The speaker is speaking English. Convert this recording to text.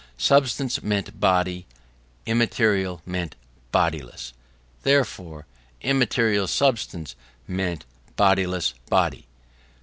Substance meant body: immaterial meant bodiless: therefore immaterial substance meant bodiless body.